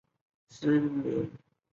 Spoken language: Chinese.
本站共有四层。